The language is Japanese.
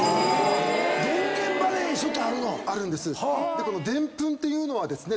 でこのでんぷんっていうのはですね